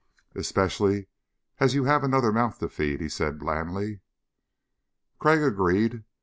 "Especially as you have another mouth to feed," he said blandly. Crag agreed.